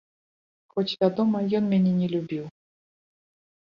Хоць, вядома, ён мяне не любіў.